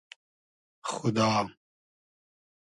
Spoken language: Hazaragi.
خودا